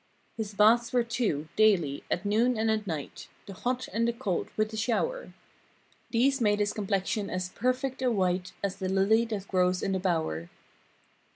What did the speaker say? His baths were two, daily, at noon and at night. The hot, and the cold, with the shower. These made his complexion as perfect a white As the lily that grows in the bower.